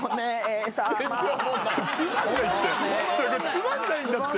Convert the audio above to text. ・つまんないんだって。